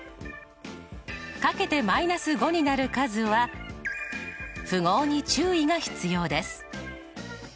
掛けて−５になる数は符号に注意が必要です。